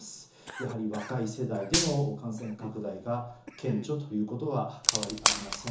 やはり若い世代での感染拡大が顕著ということは変わりありません。